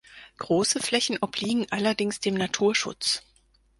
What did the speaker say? Große Flächen obliegen allerdings dem Naturschutz.